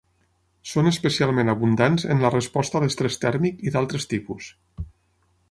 Són especialment abundants en la resposta a l'estrès tèrmic i d'altres tipus.